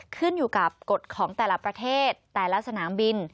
ขึ้นอยู่กับกฎของแต่ละประเทศแต่ละสนามบิน